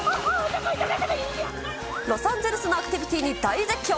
ロサンゼルスのアクティビティに大絶叫。